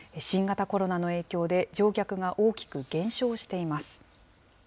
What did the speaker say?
新型コロナの影響で、乗客が大きく減少しています。